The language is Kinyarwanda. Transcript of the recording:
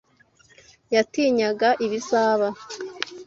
Yatinyaga ibizaba.